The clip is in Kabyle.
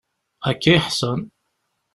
Akka i ḥṣan.